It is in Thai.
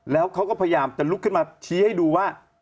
แล้วเขาก็พยายามจะลุกขึ้นมาชี้ให้ดูว่า